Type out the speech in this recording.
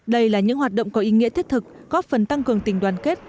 đây là những hoạt động có ý nghĩa thiết thực góp phần tăng cường tình đoàn kết